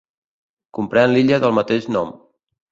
Comprèn l'illa del mateix nom.